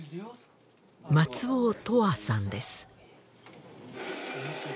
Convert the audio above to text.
松尾永遠さんです